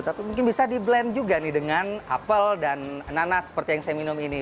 tapi mungkin bisa di blend juga nih dengan apel dan nanas seperti yang saya minum ini